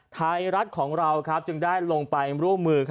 ไทยรัฐของเราจึงได้ลงไปร่วมมือ